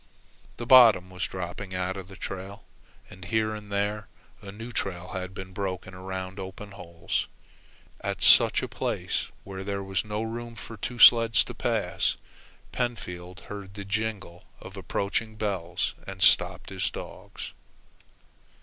The bottom was dropping out of the trail, and here and there a new trail had been broken around open holes. At such a place, where there was not room for two sleds to pass, Pentfield heard the jingle of approaching bells and stopped his dogs.